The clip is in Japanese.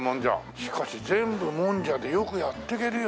しかし全部もんじゃでよくやっていけるよね。